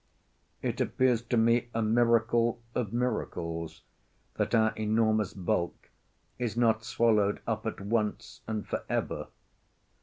It appears to me a miracle of miracles that our enormous bulk is not swallowed up at once and forever.